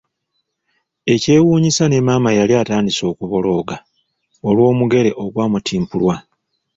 Ekyewuunyisa ne maama yali atandise okubolooga olw’omugere ogwamutimpulwa.